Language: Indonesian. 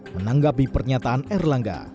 menanggapi pernyataan erlangga